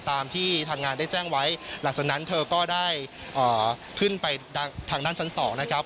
ตามที่ทางงานได้แจ้งไว้หลังจากนั้นเธอก็ได้ขึ้นไปทางด้านชั้น๒นะครับ